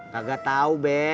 kagak tahu be